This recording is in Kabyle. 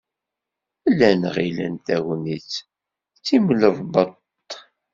Llan ɣilen Tagnit d timlebbeḍt.